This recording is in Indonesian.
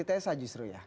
anti tesa justru ya